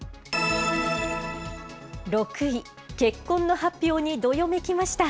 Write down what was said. ６位、結婚の発表にどよめきました。